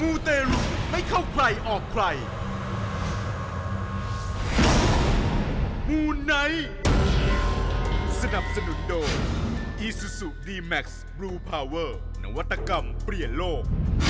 มูนไนท์สนับสนุนโดอีซูซูดีแม็กซ์บลูพาเวอร์นวัตกรรมเปลี่ยนโลก